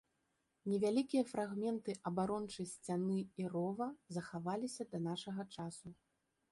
Невялікія фрагменты абарончай сцяны і рова захаваліся да нашага часу.